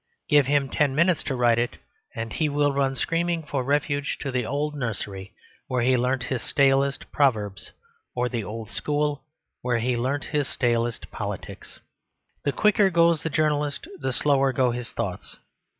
Give him ten minutes to write it and he will run screaming for refuge to the old nursery where he learnt his stalest proverbs, or the old school where he learnt his stalest politics. The quicker goes the journalist the slower go his thoughts.